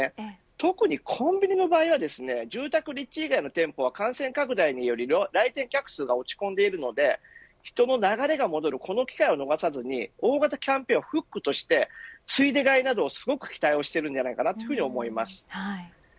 特にコンビニの場合は住宅立地以外の店舗は感染拡大により来店客数が落ち込んでいるので人の流れが戻るこの機会を逃さずに大型キャンペーンをフックとしてついで買いなどすごく期待しているんじゃないかと思います。